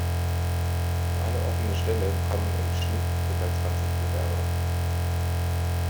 Auf eine offene Stelle kommen im Schnitt circa zwanzig Bewerber.